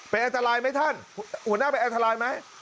เป็นอันตรายไหมท่านหัวหน้าเป็นอันตรายไหม